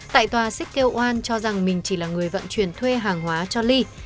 tại tòa sik kêu oan cho rằng mình chỉ là người vận chuyển thuê hàng hóa cho ly